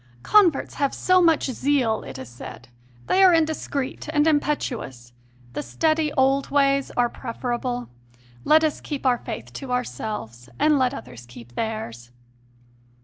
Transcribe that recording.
"Converts have so much zeal," it is said; "they are indiscreet and impetu ous. The steady old ways are preferable; let us keep our faith to ourselves, and let others keep theirs."